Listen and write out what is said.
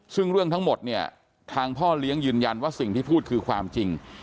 ซึ่งเรื่องทั้งหมดเนี่ยทางพ่อเลี้ยงยืนยันว่าสิ่งที่พูดคือความจริง